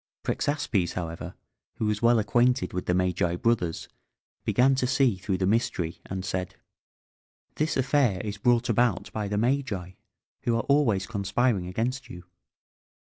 Prexaspes, however, who was well acquainted with the Magi brothers, began to see through the mystery, and said: "This affair is brought about by the Magi, who are always conspiring against you.